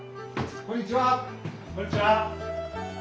・こんにちは！